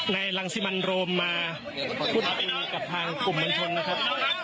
ในหลังสิบันโรมมาคุดประตูกับทางกลุ่มวนชนนะครับ